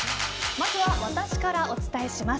まずは、私からお伝えします。